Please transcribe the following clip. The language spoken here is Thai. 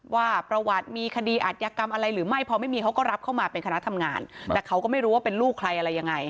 ว่าประวัติมีคดีอัธยกรรมอะไรหรือไม่พอไม่มีเขาก็รับเข้ามาเป็นคณะทำงานแต่เขาก็ไม่รู้ว่าเป็นลูกใครอะไรยังไง